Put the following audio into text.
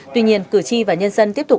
tuy nhiên cử tri và nhân dân tiếp tục